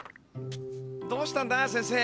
どうしたんだ先生？